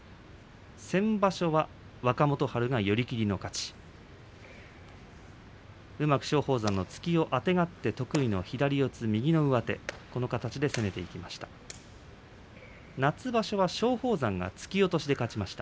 先場所は若元春が寄り切りで勝ちうまく松鳳山の突きをあてがって得意の左四つ右上手で攻めました。